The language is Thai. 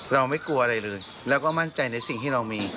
เราไม่กลัวอะไรเลยแล้วก็มั่นใจในสิ่งที่เรามี